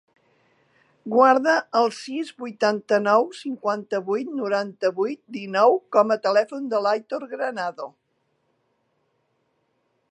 Guarda el sis, vuitanta-nou, cinquanta-vuit, noranta-vuit, dinou com a telèfon de l'Aitor Granado.